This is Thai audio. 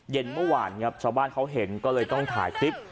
เย็นเมื่อวานครับชาวบ้านเขาเห็นก็เลยต้องถ่ายคลิป